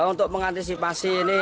untuk mengantisipasi ini